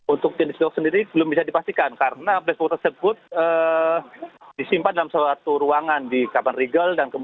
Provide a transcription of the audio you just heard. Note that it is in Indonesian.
untuk jenis blok sendiri belum bisa dipastikan karena black box tersebut disimpan dalam suatu ruangan di kapal regal